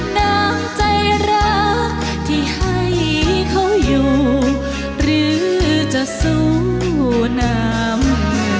น้ำใจรักที่ให้เขาอยู่หรือจะสู้น้ำ